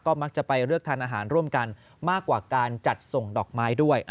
มักจะไปเลือกทานอาหารร่วมกันมากกว่าการจัดส่งดอกไม้ด้วย